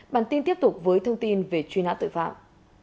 bản tin tiếp tục với thông tin về truy nã tội phạm